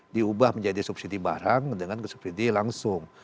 diubah menjadi subsidi barang dengan subsidi langsung